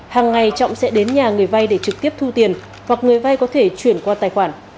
hàng ngày trọng sẽ đến nhà người vay để trực tiếp thu tiền hoặc người vay có thể chuyển qua tài khoản